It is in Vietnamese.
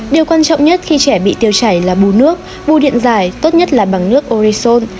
điều quan trọng nhất khi trẻ bị tiêu chảy là bù nước bù điện giải tốt nhất là bằng nước orison